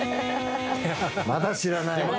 まだ知らない。